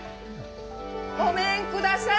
ごめんください。